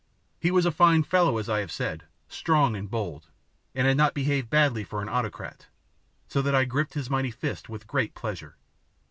He was a fine fellow, as I have said, strong and bold, and had not behaved badly for an autocrat, so that I gripped his mighty fist with great pleasure.